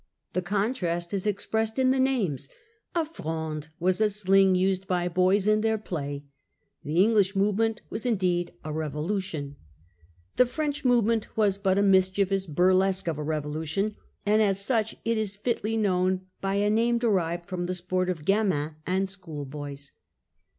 The contrast is expressed in the names. A fronde was a sling used by boys in theii play. The English movement was indeed a Revolution. The French movement was but a mischievous bur lesque of a revolution ; and as such it is fitly known by a name derived from the sport of gamins and school boys.